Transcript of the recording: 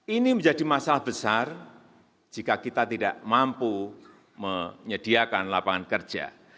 ini menjadi masalah besar jika kita tidak mampu menyediakan lapangan kerja